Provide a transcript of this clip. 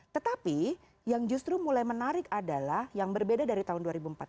tetapi yang justru mulai menarik adalah yang berbeda dari tahun dua ribu empat belas